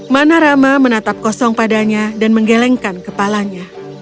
manarama menatap kosong padanya dan menggelengkan kepalanya